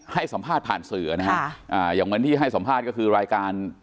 ให้สัมภาษณ์ผ่านสื่อนะฮะอย่างเหมือนที่ให้สัมภาษณ์ก็คือรายการ